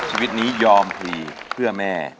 ชีวิตนี้ยอมพลีเพื่อแม่